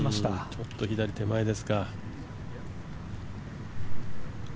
ちょっと左手前ですか。